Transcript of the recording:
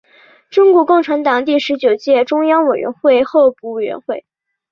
中国共产党第十九届中央委员会候补委员。